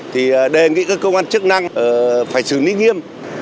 thì đề nghị các cơ quan chức năng phải xử lý nghiêm